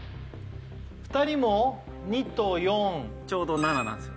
２人も２と４ちょうど７なんすよ